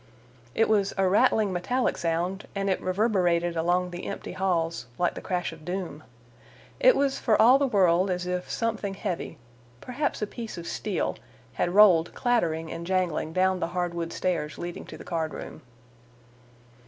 It was a rattling metallic sound, and it reverberated along the empty halls like the crash of doom. It was for all the world as if something heavy, perhaps a piece of steel, had rolled clattering and jangling down the hard wood stairs leading to the card room.